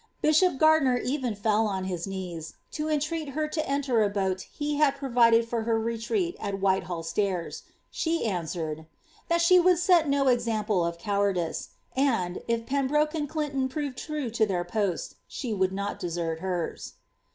Bishop Gardiner, even, fell on his uee»i to entreat her to enter a boat he had provided for her retreat at Wbitehiil Stairs. She answered, ^that she would set no example of cowardice; and, if Pembroke and Clinton proved true to their poets, she would not desert hers."